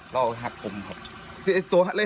ตัวตัวเหตุอย่างไหนแล้ว